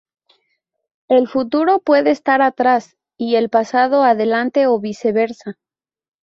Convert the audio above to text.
El futuro puede estar atrás y el pasado adelante o viceversa.